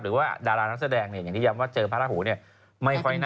หรือว่าดารานักแสดงอย่างที่ย้ำว่าเจอพระราหูนี่